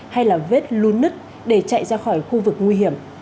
hay là vết lún nứt để chạy ra khỏi khu vực nguy hiểm